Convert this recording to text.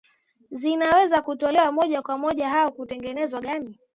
zinaweza kutolewa moja kwa moja au kutengenezwa angani